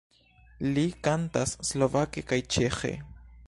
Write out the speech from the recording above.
Li kantas slovake kaj ĉeĥe.